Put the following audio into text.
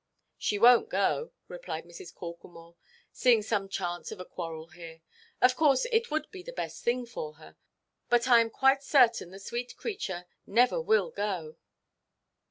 "She wonʼt go," replied Mrs. Corklemore, seeing some chance of a quarrel here; "of course it would be the best thing for her; but I am quite certain the sweet creature never will go."